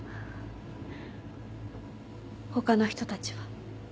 他の人たちは？